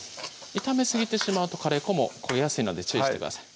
炒めすぎてしまうとカレー粉も焦げやすいので注意してください